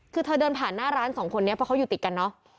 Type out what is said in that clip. คือเธอเดินผ่านหน้าร้านสองคนนี้เพราะเขาอยู่ติดกันเนอะ